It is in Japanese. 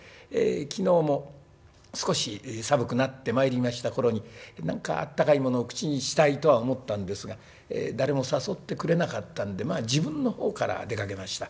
昨日も少し寒くなってまいりました頃に何か温かいものを口にしたいとは思ったんですが誰も誘ってくれなかったんで自分の方から出かけました。